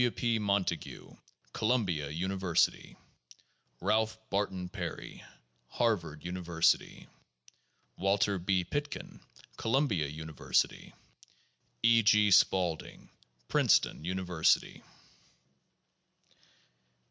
W. P. Montague, Columbia University. Ralph Barton Peeey, Harvard University. Waltee B. Pitkin, Columbia University. E. G. Spaulding, Princeton University.